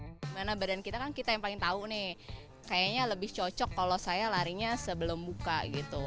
gimana badan kita kan kita yang paling tahu nih kayaknya lebih cocok kalau saya larinya sebelum buka gitu